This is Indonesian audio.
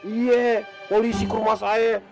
iya polisi ke rumah saya